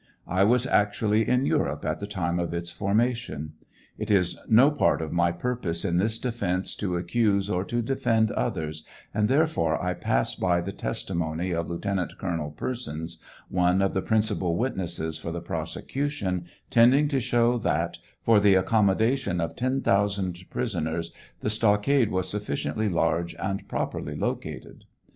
1 was actually in Europe at the time of its formation. It is no part of my purpose in this defence to accuse or to defend others, and therefore I pass by the testi mony of Lieutenant Colonel Persons, one of the principal witnesses for the prosecution, tending to show that, for the accommodation of ten thousand pris oners, the stockade was sufficiently large and properly located.